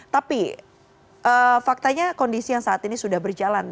tapi faktanya kondisi yang saat ini sudah berjalan